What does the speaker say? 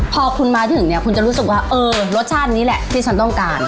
พอคุณมาถึงเนี่ยคุณจะรู้สึกว่าเออรสชาตินี้แหละที่ฉันต้องการ